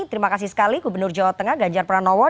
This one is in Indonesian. terima kasih sekali gubernur jawa tengah ganjar pranowo